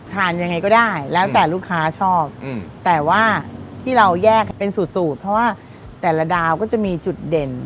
ทานยังไงก็ได้แล้วแต่ลูกค้าชอบแต่ว่าที่เราแยกเป็นสูตรเพราะว่าแต่ละดาวก็จะมีจุดเด่น